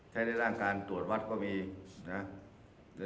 ใช้ในร่างการตรวจวัดก็มี